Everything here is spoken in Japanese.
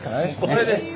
これです。